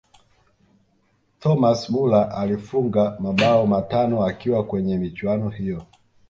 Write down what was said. thomas muller alifunga mabao matano akiwa kwenye michuano hiyo